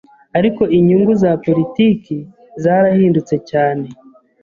ariko inyungu za politiki zarahindutse cyane